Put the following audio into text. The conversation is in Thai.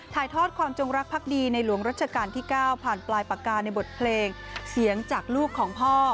ถ่ายทอดความจงรักภักดีในหลวงรัชกาลที่๙ผ่านปลายปากกาในบทเพลงเสียงจากลูกของพ่อ